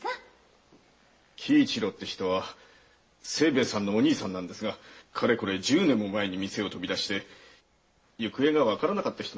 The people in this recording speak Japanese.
喜一郎って人は清兵衛さんのお兄さんですがかれこれ十年も前に店を飛び出し行方がわからなかった人です。